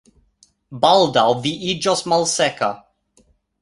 Baldaŭ vi iĝos malseka